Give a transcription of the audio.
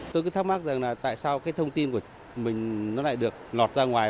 tôi cứ thắc mắc rằng là tại sao cái thông tin của mình nó lại được lọt ra ngoài